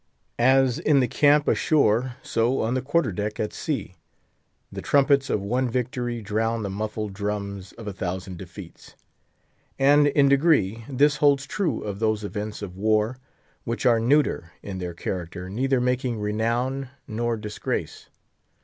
As in the camp ashore, so on the quarter deck at sea—the trumpets of one victory drown the muffled drums of a thousand defeats. And, in degree, this holds true of those events of war which are neuter in their character, neither making renown nor disgrace.